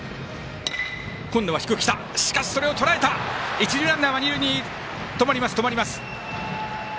一塁ランナーは二塁に止まります。